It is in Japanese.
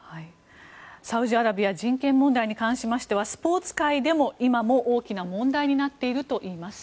サウジアラビア人権問題に関しましてはスポーツ界でも今も大きな問題になっているといいます。